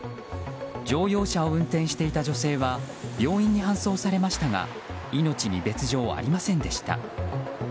乗用車を運転していた女性は病院に搬送されましたが命に別条はありませんでした。